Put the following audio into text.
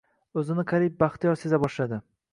O’zini qariyb baxtiyor seza boshladi.